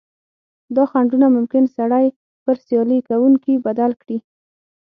دا خنډونه ممکن سړی پر سیالي کوونکي بدل کړي.